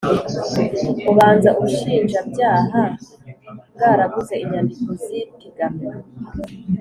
ubanza ubushinjabyaha bwarabuze inyandiko z ipiganwa